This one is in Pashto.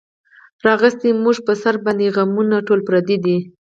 راغیستې مونږ پۀ سر باندې غمونه ټول پردي دي